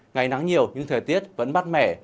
ngày nắng nhiều nhưng thời tiết vẫn mắt mẻ